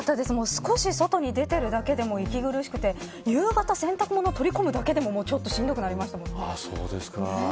少し外に出ているだけでも息苦しくて夕方、洗濯物を取り込むだけでもちょっとしんどくなりました。